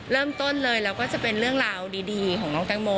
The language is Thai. เริ่มต้นเลยเราก็จะเป็นเรื่องราวดีของน้องแตงโม